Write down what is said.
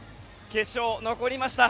決勝、残りました。